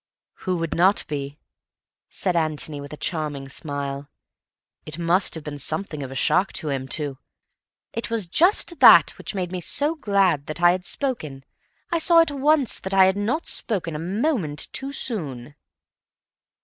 "Who would not be?" said Antony, with a charming smile. "It must have been something of a shock to him to—" "It was just that which made me so glad that I had spoken. I saw at once that I had not spoken a moment too soon."